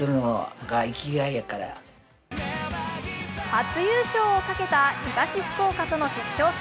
初優勝をかけた東福岡との決勝戦。